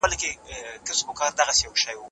څنګه کولای سو نوی ولسمشر د خپلو ګټو لپاره وکاروو؟